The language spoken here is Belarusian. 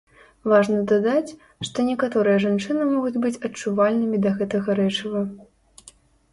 Важна дадаць, што некаторыя жанчыны могуць быць адчувальнымі да гэтага рэчыва.